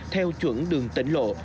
theo chuẩn đường tỉnh lộ